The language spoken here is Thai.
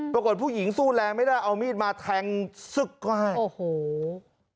ปรากฏผู้หญิงสู้แรงไม่ได้เอามีดมาแทงซึกเขาให้โอ้โห